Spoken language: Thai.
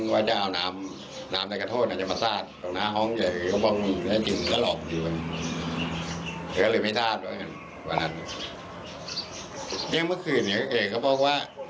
วันนั้นอย่างเมื่อคืนเนี่ยเคยเขาก็บอกว่า